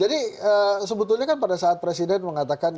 jadi sebetulnya kan pada saat presiden mengatakan